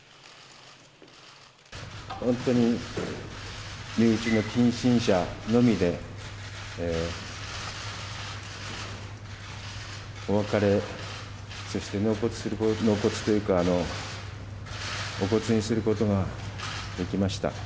本当に身内の近親者のみでお別れ、そして納骨というか、お骨にすることができました。